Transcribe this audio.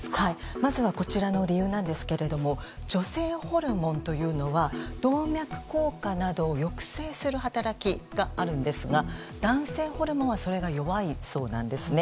まずは、こちらの理由ですが女性ホルモンというのは動脈硬化などを抑制する働きがあるんですが男性ホルモンはそれが弱いそうなんですね。